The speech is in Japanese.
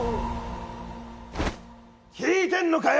聞いてんのかよ！